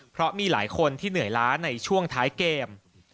เพราะมีหลายคนที่เหนื่อยล้าในช่วงท้ายเกม